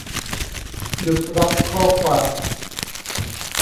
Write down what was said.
หยุดรับข้อความ